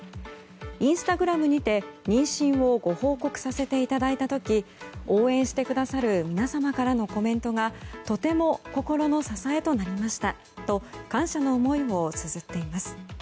インスタグラムにて妊娠をご報告させていただいた時応援してくださる皆様からのコメントがとても心の支えとなりましたと感謝の思いをつづっています。